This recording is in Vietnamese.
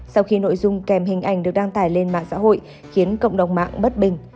sau khi nội dung kèm hình ảnh được đăng tải lên mạng xã hội khiến cộng đồng mạng bất bình